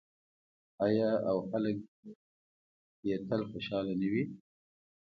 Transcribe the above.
آیا او خلک دې یې تل خوشحاله نه وي؟